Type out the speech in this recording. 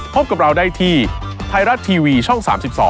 พบกับเราได้ที่ไทยรัฐทีวีช่อง๓๒